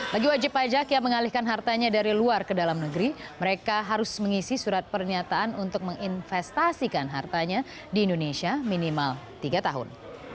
bagi wajib pajak yang mengalihkan hartanya dari luar ke dalam negeri mereka harus mengisi surat pernyataan untuk menginvestasikan hartanya di indonesia minimal tiga tahun